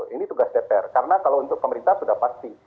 ini tugas dpr karena kalau untuk pemerintah sudah pasti